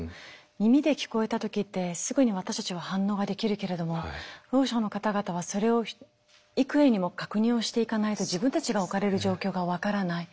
耳で聞こえた時ってすぐに私たちは反応ができるけれどもろう者の方々はそれを幾重にも確認をしていかないと自分たちが置かれる状況が分からない。